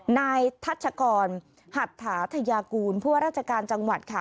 นายทัชกรหัตถาธยากูลผู้ว่าราชการจังหวัดค่ะ